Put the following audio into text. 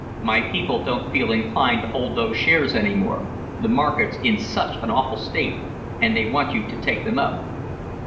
"My people don't feel inclined to hold those shares any more, the market's in such an awful state, and they want you to take them up."